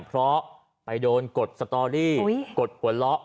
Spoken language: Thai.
เพราะไปโดนกดสตอรี่กดหัวเราะ